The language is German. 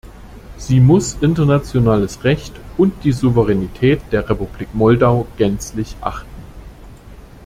Sie muss internationales Recht und die Souveränität der Republik Moldau gänzlich achten.